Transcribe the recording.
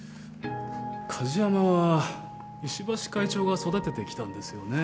梶山は石橋会長が育ててきたんですよね。